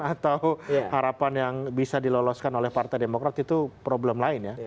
atau harapan yang bisa diloloskan oleh partai demokrat itu problem lain ya